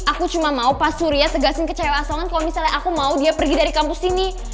aku cuma mau pak surya tegasin kecewa asongan kalau misalnya aku mau dia pergi dari kampus ini